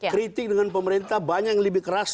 kritik dengan pemerintah banyak yang lebih keras